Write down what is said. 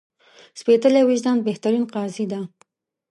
سپېڅلی وجدان بهترین قاضي ده